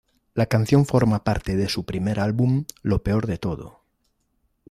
La canción forma parte de su primer álbum, Lo Peor de Todo.